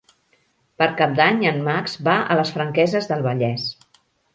Per Cap d'Any en Max va a les Franqueses del Vallès.